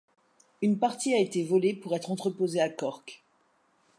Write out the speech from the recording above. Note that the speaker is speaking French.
Une partie a été volée pour être entreposée à Cork.